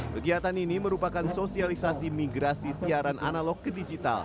kegiatan ini merupakan sosialisasi migrasi siaran analog ke digital